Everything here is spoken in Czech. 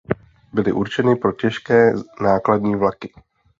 Byly určeny pro těžké nákladní vlaky.